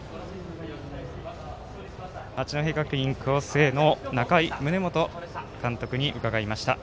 八戸学院光星の仲井宗基監督に伺いました。